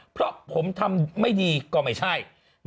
เพราะผมทำไม่ดีก็ไม่ใช่